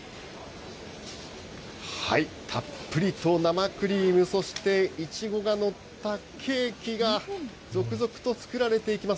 たっぷりと生クリーム、そしてイチゴが載ったケーキが続々と作られていきます。